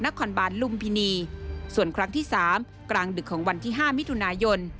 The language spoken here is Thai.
นครบาลลุมพินีส่วนครั้งที่สามกลางดึกของวันที่๕มิถุนายน